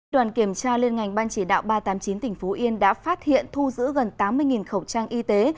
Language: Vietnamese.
đoàn kiểm tra liên ngành ban chỉ đạo ba trăm tám mươi chín tỉnh phú yên đã phát hiện thu giữ gần tám mươi khẩu trang y tế